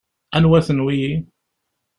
Anwa-ten wigi?